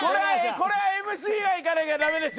これはＭＣがいかなきゃダメでしょ